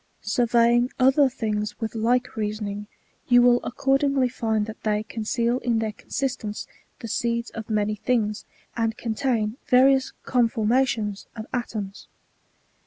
Surveying other things with like reasoning, you will ac cordingly find that they conceal in their consistence the seeds of many things, and contain various conformations of atoms.